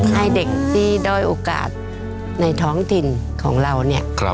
ให้เด็กที่ด้อยโอกาสในท้องถิ่นของเราเนี่ย